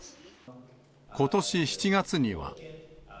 ことし７月には。